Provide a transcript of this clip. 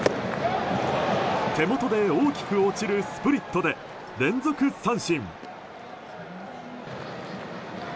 手元で大きく落ちるスプリットで連続三振。